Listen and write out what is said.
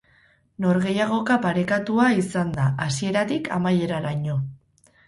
Norgehiagoka parekatua izan da hasieratik amaieraraino.